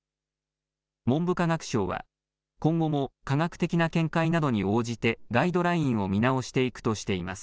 文部科学省は、今後も科学的な見解などに応じてガイドラインを見直していくとしています。